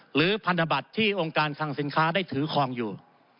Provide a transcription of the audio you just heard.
หรือพันธบัตรที่องค์การคลังสินค้าได้ถือคลองอยู่